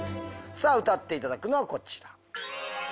さあ歌っていただくのはこちら。